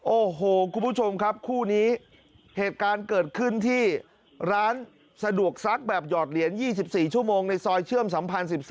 โอ้โหคุณผู้ชมครับคู่นี้เหตุการณ์เกิดขึ้นที่ร้านสะดวกซักแบบหยอดเหรียญ๒๔ชั่วโมงในซอยเชื่อมสัมพันธ์๑๓